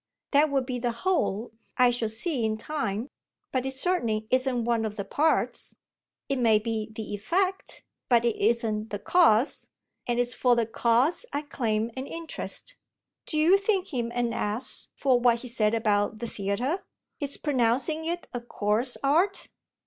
"That would be the whole I shall see in time but it certainly isn't one of the parts. It may be the effect, but it isn't the cause, and it's for the cause I claim an interest. Do you think him an ass for what he said about the theatre his pronouncing it a coarse art?"